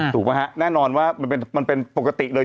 ถูกไหมฮะแน่นอนว่ามันเป็นปกติเลย